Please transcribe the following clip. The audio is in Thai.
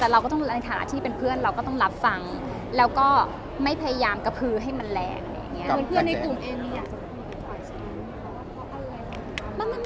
แต่ในฐานะที่เป็นเพื่อนเราก็ต้องรับฟังแต่ไม่พยายามกระพือให้มันแรง